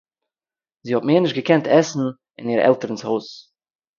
זי האָט מער נישט געקענט עסן אין איר עלטערנ'ס הויז